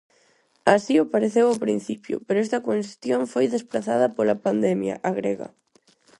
Así o pareceu ao principio, pero esta cuestión foi desprazada pola pandemia, agrega.